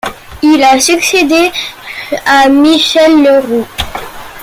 Il a succédé à Michel Leroux.